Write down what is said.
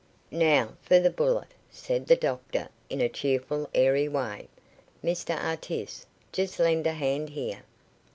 "Now for the bullet," said the doctor in a cheerful, airy way. "Mr Artis, just lend a hand here.